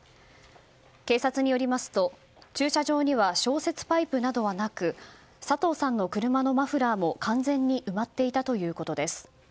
警察によりますと駐車場には消雪パイプなどはなく佐藤さんの車のマフラーも完全に埋まっていたということです。